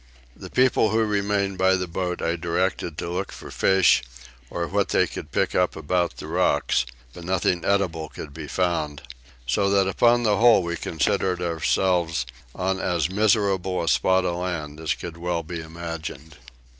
The people who remained by the boat I had directed to look for fish or what they could pick up about the rocks; but nothing eatable could be found: so that upon the whole we considered ourselves on as miserable a spot of land as could well be imagined.